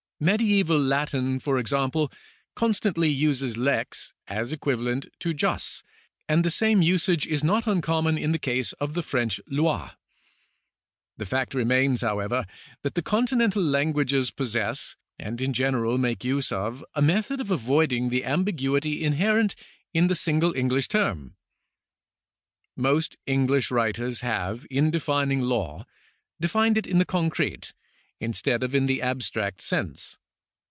Medieval Latin, for example, constantly uses lex as equivalent to jus, and the same usage is not uncommon in the case of the French loi. The fact remains, however, that the Continental languages possess, and in general make use of, a method of avoiding the ambiguity inherent in the single English term. Most English writers have, in defining law, defined it in the concrete, instead of in the abstract sense.